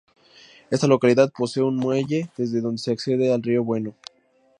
Esta localidad posee un muelle desde donde se accede al Río Bueno.